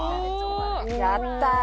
やったー！